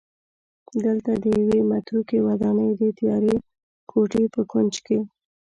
دلته د یوې متروکې ودانۍ د تیارې کوټې په کونج کې